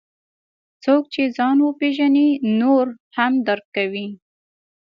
څوک چې ځان وپېژني، نور هم درک کوي.